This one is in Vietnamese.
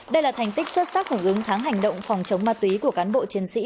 đây là thành tích xuất sắc hưởng ứng tháng hành động phòng chống ma túy của cán bộ chiến sĩ